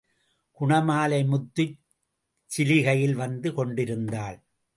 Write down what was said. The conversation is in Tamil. குணமாலை முத்துச் சிலிகையில் வந்து கொண்டிருந்தாள்.